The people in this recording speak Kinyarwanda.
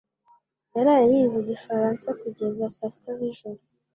yaraye yize igifaransa kugeza saa sita z'ijoro